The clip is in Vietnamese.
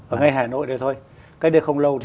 ở ngay hà nội thôi cách đây không lâu